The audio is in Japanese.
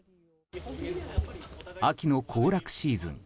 秋の行楽シーズン。